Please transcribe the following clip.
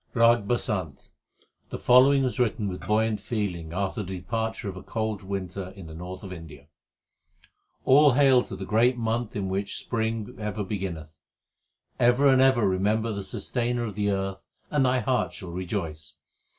HYMNS OF GURU NANAK 371 RAG BASANT The following was written with buoyant feeling after the departure of a cold winter in the north of India : All hail to the great month 1 in which spring ever beginneth. Ever and ever remember the Sustainer of the earth, and thy heart shall rejoice.